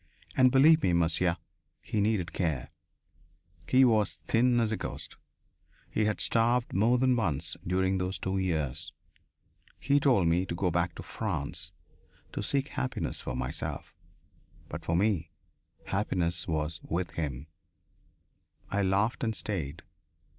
"And believe me, monsieur, he needed care! He was thin as a ghost. He had starved more than once during those two years. He told me to go back to France, to seek happiness for myself. But for me happiness was with him. I laughed and stayed.